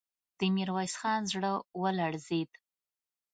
د ميرويس خان زړه ولړزېد.